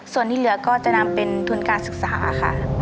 ส่วนที่เหลือก็จะนำเป็นทุนการศึกษาค่ะ